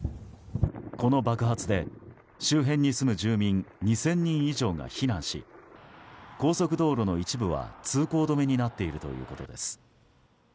この爆発で周辺に住む住民２０００人以上が避難し高速道路の一部は通行止めになっているということです。